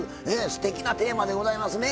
すてきなテーマでございますね。